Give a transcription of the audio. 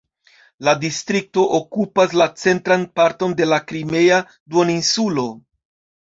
La distrikto okupas la centran parton de la Krimea duoninsulo.